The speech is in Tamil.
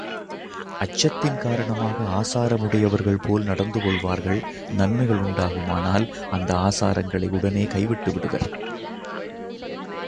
அச்சத்தின் காரணமாக ஆசாரம் உடையவர்கள்போல் நடந்துகொள்வார்கள் நன்மைகள் உண்டாகுமானால் அந்த ஆசாரங்களை உடனே கைவிட்டுவிடுவர்.